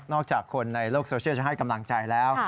จากคนในโลกโซเชียลจะให้กำลังใจแล้ว